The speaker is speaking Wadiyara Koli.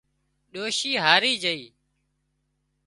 ڏوشِي هاري جھئي